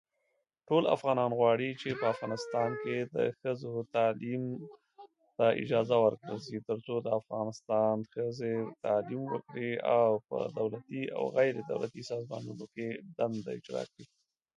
“Because you were engrossed with Miriam,” replied she hotly.